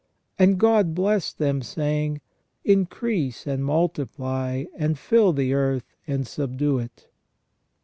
And God blessed them, saying : Increase and multiply, and fill the earth, and subdue it."